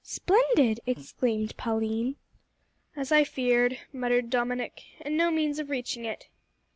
"Splendid!" exclaimed Pauline. "As I feared," muttered Dominick, "and no means of reaching it."